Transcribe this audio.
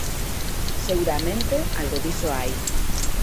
Seguramente algo diso hai.